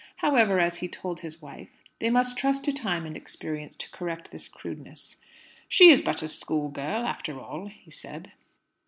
However, as he told his wife, they must trust to time and experience to correct this crudeness. "She is but a schoolgirl, after all," he said.